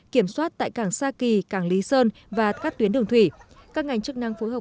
kiểm soát tại cảng sa kỳ cảng lý sơn và các tuyến đường thủy các ngành chức năng phối hợp